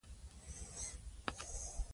هغه کتاب چې ما لوستی و ډېر ګټور و.